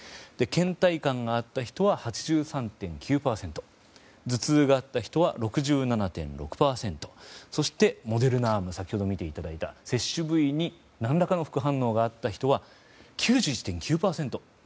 倦怠感があった人は８３．９％頭痛があった人は６７．７％そして先ほど見ていただいたモデルナ・アーム接種部位に何らかの副反応があった人は９１．９％と。